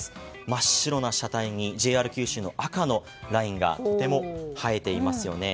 真っ白な車体にＪＲ九州の赤のラインがとても映えていますよね。